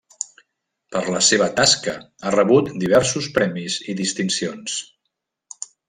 Per la seva tasca ha rebut diversos premis i distincions.